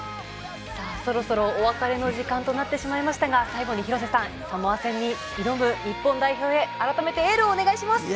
そろそろお別れの時間となってしまいましたが最後に、廣瀬さんサモア戦に挑む日本代表へ改めてエールをお願いします。